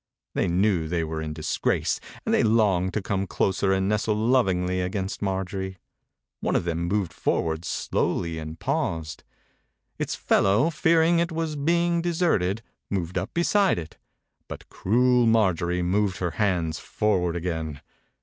They knew they were in disgrace and they longed to come closer and nestle lovingly against Maijorie. One of them moved forward slowly and paused. Its fellow, fearing it was being deserted, moved up beside it, but cruel Marjorie moved her hands for ward again.